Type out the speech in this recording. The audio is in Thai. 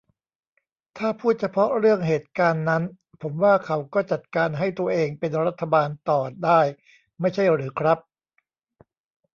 ถ้าพูดเฉพาะเรื่องเหตุการณ์นั้น ผมว่าเขาก็จัดการให้ตัวเองเป็นรัฐบาลต่อได้ไม่ใช่หรือครับ ?